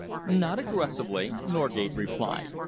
"Not aggressively," Norgate replied.